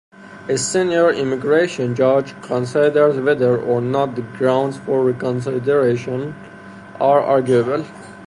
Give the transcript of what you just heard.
A Senior Immigration Judge considers whether or not the grounds for reconsideration are "arguable".